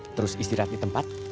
terus istirahat di tempat